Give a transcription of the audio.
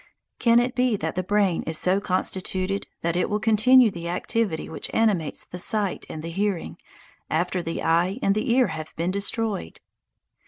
Can it be that the brain is so constituted that it will continue the activity which animates the sight and the hearing, after the eye and the ear have been destroyed?